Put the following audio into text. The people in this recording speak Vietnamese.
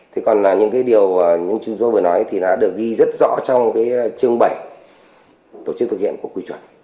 thế còn những cái điều những chữ số vừa nói thì đã được ghi rất rõ trong cái chương bảy tổ chức thực hiện của quy chuẩn